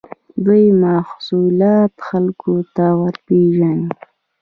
دوی محصولات خلکو ته ورپېژني.